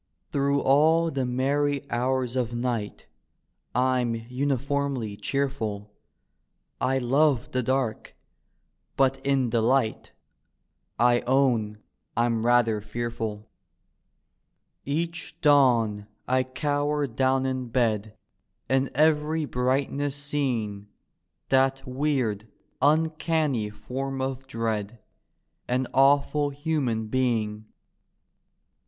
Through all the meriy hours of ni^t I'm unifoimly cheerful; I love the dark ; but in the light, I own I'm rather fcarfuL Each dawn I cower down in bed, In every brightness seeing That weird uncanny form of dread — An awful Human Being!